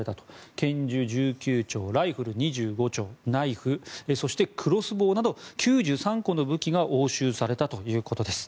拳銃１９丁、ライフル２５丁ナイフ、そしてクロスボウなど９３個の武器が押収されたということです。